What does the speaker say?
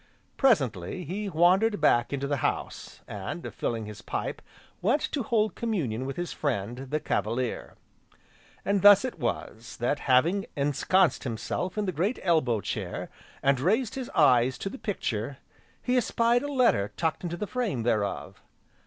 Presently he wandered back into the house, and, filling his pipe, went to hold communion with his friend the Cavalier. And thus it was that having ensconced himself in the great elbow chair, and raised his eyes to the picture, he espied a letter tucked into the frame, thereof.